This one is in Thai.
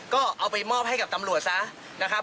ก็เอาไปมอบให้กับตำรวจซะนะครับ